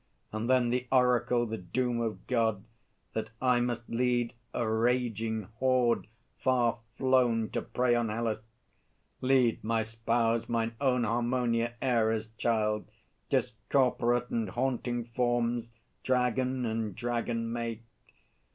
And then the oracle, the doom of God, That I must lead a raging horde far flown To prey on Hellas; lead my spouse, mine own Harmonia, Ares' child, discorporate And haunting forms, dragon and dragon mate.